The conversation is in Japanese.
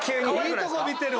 いいとこ見てる。